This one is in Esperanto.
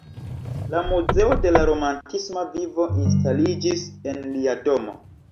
La Muzeo de la romantisma vivo instaliĝis en lia domo.